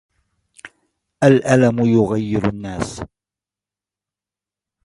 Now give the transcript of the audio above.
الأَلَم يُغَيّر النَّاس.